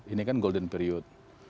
ini kan golden period